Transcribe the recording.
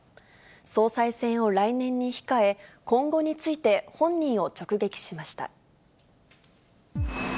総裁選を来年に控え、今後について本人を直撃しました。